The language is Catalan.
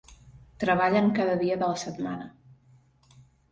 Treballen cada dia de la setmana.